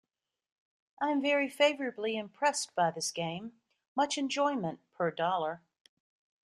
I am very favourably impressed by this game; much enjoyment per dollar.